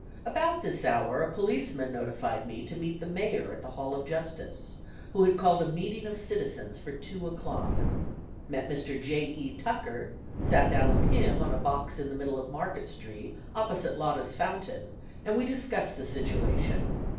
About this hour a policeman notified me to meet the Mayor at the Hall of justice, who had called a meeting of citizens for 2 o'clock. Met Mr. J. E. Tucker sat down with him on a box in the middle of Market Street, opposite Lotta's Fountain, and we discussed the situation.